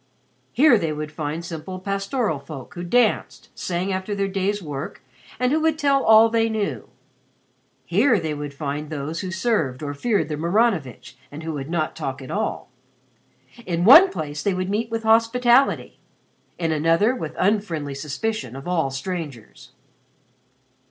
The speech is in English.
Here they would find simple pastoral folk who danced, sang after their day's work, and who would tell all they knew; here they would find those who served or feared the Maranovitch and who would not talk at all. In one place they would meet with hospitality, in another with unfriendly suspicion of all strangers.